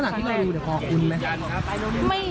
ลักษณะที่เรารู้พอคุ้นไหม